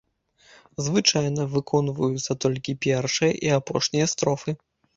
Звычайна выконваюцца толькі першая і апошняя строфы.